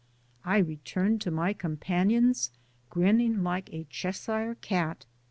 I returned to my companions grinning like a Cheshire cat.